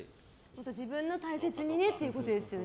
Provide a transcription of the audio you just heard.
自分を大切にねっていうことですよね。